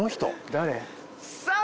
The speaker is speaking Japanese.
・誰？